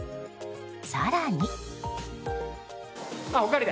更に。